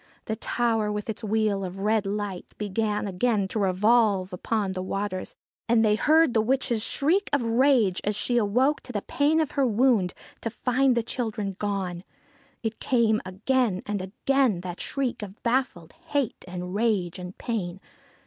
The tower, with its wheel of red light, began again to revolve upon the waters, and they heard the witch's shriek of rage as she awoke to the pain of her wound, to find the children gone. It came again and again, that shriek of baffled hate and rage and pain.